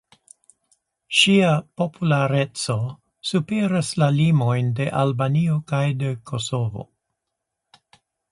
Ŝia populareco superas la limojn de Albanio kaj de Kosovo.